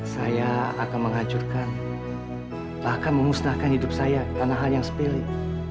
saya akan menghancurkan bahkan memusnahkan hidup saya tanah hal yang sepilih